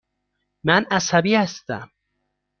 من عصبی هستم.